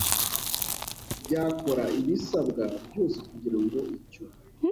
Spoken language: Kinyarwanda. byakora ibisabwa byose kugira ngo icyo